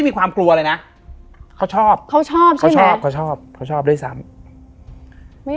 มีไหม